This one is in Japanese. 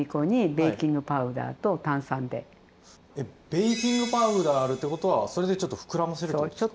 ベーキングパウダーあるってことはそれでちょっと膨らませるってことですか？